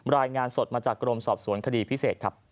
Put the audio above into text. รายงานสดมาจากกรมสอบสวนคดีพิเศษครับ